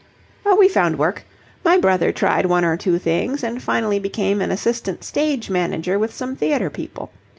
"Oh, we found work. My brother tried one or two things, and finally became an assistant stage manager with some theatre people.